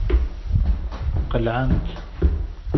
Qelɛent.